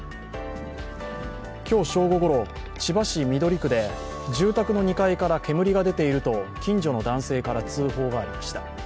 今日正午ごろ、千葉市緑区で住宅の２階から煙が出ていると近所の男性から通報がありました。